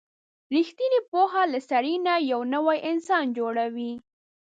رښتینې پوهه له سړي نه یو نوی انسان جوړوي.